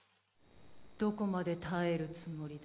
どこまで耐えるつもりだ。